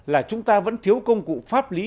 là chúng ta vẫn thiếu công cụ pháp lý